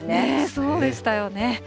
そうでしたよね。